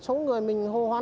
một phòng ngủ